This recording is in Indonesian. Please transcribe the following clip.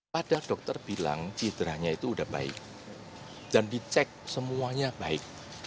pada dokter bilang cederanya itu sudah baik dan dicek semuanya baik